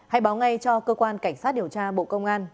hãy báo ngay cho cơ quan cảnh sát điều tra bộ công an